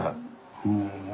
ふん。